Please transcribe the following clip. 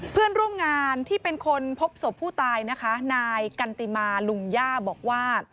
เพื่อนร่วมงานที่เป็นคนพบศพผู้ตายนะคะนายกันติมาลุงย่าบอกว่า